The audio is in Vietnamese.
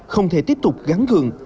không thể tiếp tục gắn gường